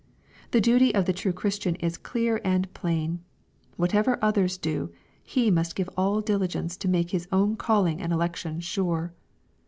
The duty of the true Christian is clear and plain. Whatever others do, he must give all diligence to make bis own calling and election sure.